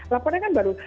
laporan kan baru